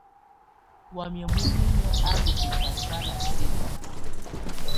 Wamɛ̀á muninyǝ́ á lɔ̀ bɛ̀kasala sɛ̀ba.